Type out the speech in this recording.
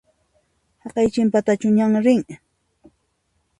Haqay chinpatachu ñan rin?